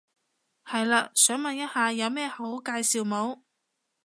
係嘞，想問一下有咩好介紹冇？